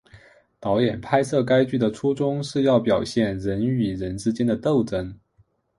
导演拍摄该剧的初衷是要表现人与人之间的斗争。